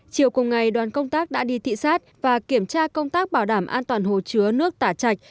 chiều cùng ngày đoàn công tác đã đi thị xát và kiểm tra công tác bảo đảm an toàn hồ chứa nước tả trạch